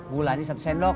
gulanya satu sendok